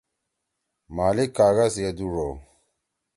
مالک کاگا سی اے دُو ڙو!